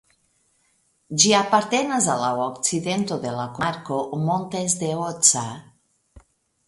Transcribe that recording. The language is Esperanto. Ĝi apartenas al la okcidento de la komarko "Montes de Oca".